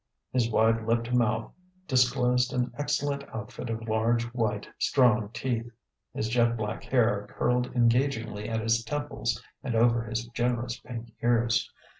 His wide lipped mouth disclosed an excellent outfit of large, white, strong teeth. His jet black hair curled engagingly at his temples and over his generous pink ears.